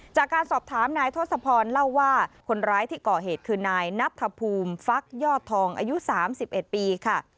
จากการสอบถามนายทศพรเล่าว่าคนร้ายที่ก่อเหตุคือนายนัทภูมิฟักยอดทองอายุ๓๑ปีค่ะ